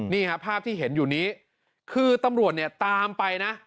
นี่ครับภาพที่เห็นอยู่นี้คือตำรวจเนี่ยตามไปนะ